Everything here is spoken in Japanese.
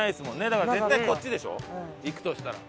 だから絶対こっちでしょ行くとしたら。